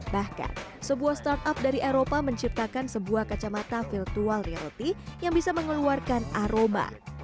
bahkan sebuah startup dari eropa menciptakan sebuah kacamata virtual reality yang bisa mengeluarkan aroma